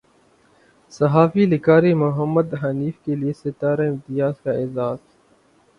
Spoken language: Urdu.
صحافی لکھاری محمد حنیف کے لیے ستارہ امتیاز کا اعزاز